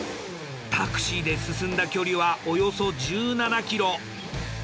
タクシーで進んだ距離はおよそ１７ｋｍ。